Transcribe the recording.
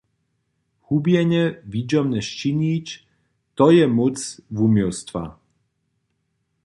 Zhubjene widźomne sčinić – to je móc wuměłstwa.